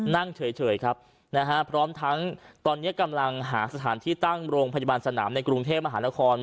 นั่งเฉยครับนะฮะพร้อมทั้งตอนนี้กำลังหาสถานที่ตั้งโรงพยาบาลสนามในกรุงเทพมหานคร